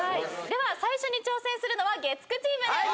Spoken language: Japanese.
では最初に挑戦するのは月９チームです。